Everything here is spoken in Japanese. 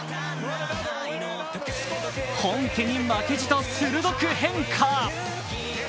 本家に負けじと鋭く変化。